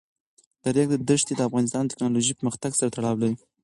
د ریګ دښتې د افغانستان د تکنالوژۍ پرمختګ سره تړاو لري.